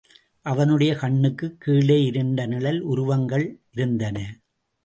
அவனுடைய கண்ணுக்குக் கீழே இருண்ட நிழல் உருவங்கள் இருந்தன.